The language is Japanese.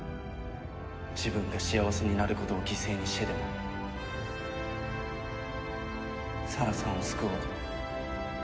自分が幸せになることを犠牲にしてでも沙羅さんを救おうと。